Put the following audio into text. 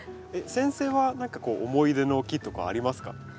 先生は何かこう思い出の木とかありますか？